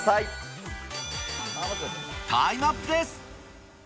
タイムアップです。